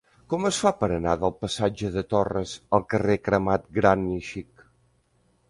Com es fa per anar del passatge de Torres al carrer Cremat Gran i Xic?